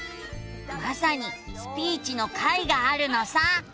まさに「スピーチ」の回があるのさ。